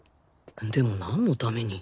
でも何のために